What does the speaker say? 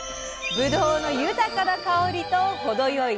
ぶどうの豊かな香りと程よい酸味。